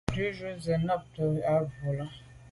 Jù jujù ze bo nabte à bwô là.